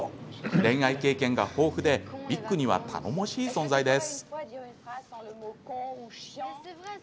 恋愛経験が豊富でビックには頼もしい存在です。